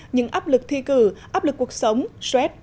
những áp lực thi cử áp lực cuộc sống stress